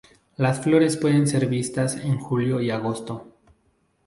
Las flores pueden ser vistas en julio y agosto.